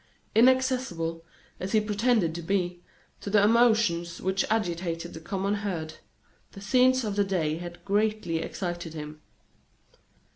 Inaccessible, as he pretended to be, to the emotions which agitate the common herd, the scenes of the day had greatly excited him.